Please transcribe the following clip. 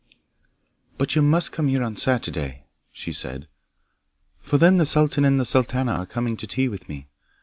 'But you must come here on Saturday,' she said, 'for then the sultan and the sultana are coming to tea with me.